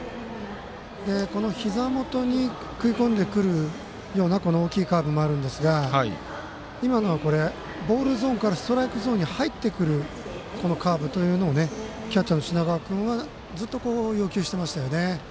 このひざ元に食い込んでくるような大きいカーブもあるんですが今のは、ボールゾーンからストライクゾーンに入ってくるカーブというのをキャッチャーの品川君はずっと要求していましたよね。